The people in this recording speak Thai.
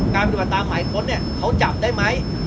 ปฏิบัติตามหมายค้นเนี่ยเขาจับได้ไหม